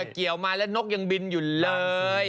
เกี่ยวมาแล้วนกยังบินอยู่เลย